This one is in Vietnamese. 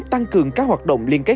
tăng cường các hoạt động liên kết